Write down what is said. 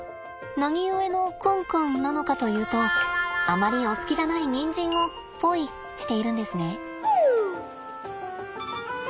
何故のクンクンなのかというとあまりお好きじゃないにんじんをポイしているんですね。